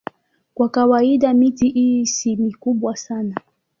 Kwa kawaida miti hii si mikubwa sana.